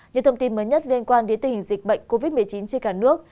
những thông tin mới nhất liên quan đến tình hình dịch bệnh covid một mươi chín trên cả nước